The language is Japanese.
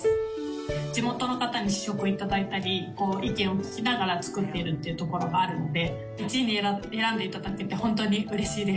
地元の方に試食いただいたり、意見を聞きながら作ってるっていうところがあるので、１位に選んでいただけて本当にうれしいです。